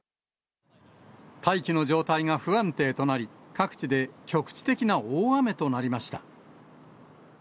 大気の状態が不安定となり、各地で局地的な大雨となりました。